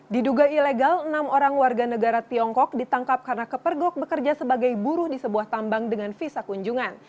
diduga ilegal enam orang warga negara tiongkok ditangkap karena kepergok bekerja sebagai buruh di sebuah tambang dengan visa kunjungan